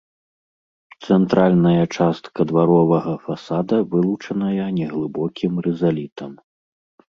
Цэнтральная частка дваровага фасада вылучаная неглыбокім рызалітам.